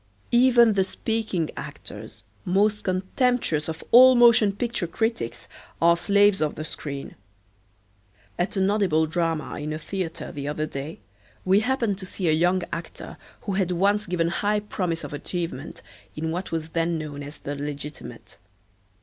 Even the speaking actors, most contemptuous of all motion picture critics, are slaves of the screen. At an audible drama in a theater the other day we happened to see a young actor who had once given high promise of achievement in what was then known as the legitimate.